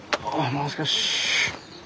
もう少し。